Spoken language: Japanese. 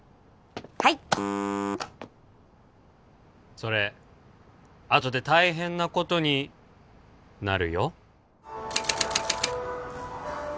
はいそれあとで大変なことになるよ